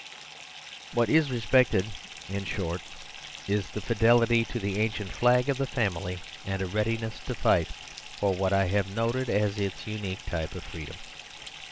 What is respected, in short, is fidelity to the ancient flag of the family, and a readiness to fight for what I have noted as its unique type of freedom.